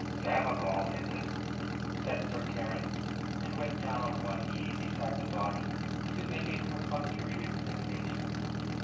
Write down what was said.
"Samoval, is it?" said Sir Terence, and went down on one knee beside the body to make a perfunctory examination.